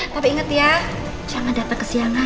tapi inget ya jangan datang kesiangan